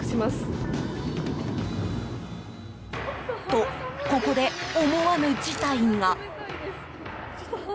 と、ここで思わぬ事態が。